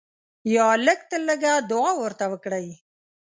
یا لږ تر لږه دعا ورته وکړئ.